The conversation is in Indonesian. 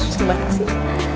seneng banget sih